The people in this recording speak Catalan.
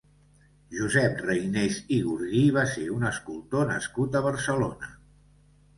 Josep Reynés i Gurguí va ser un escultor nascut a Barcelona.